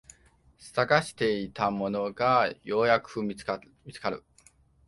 探していたものがようやく見つかる